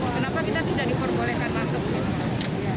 kenapa kita tidak diperbolehkan masuk gitu